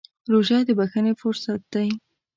روژه د بښنې فرصت دی.